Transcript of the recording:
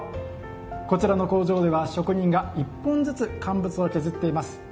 こちらの工場では職人が１本ずつ乾物を削っています。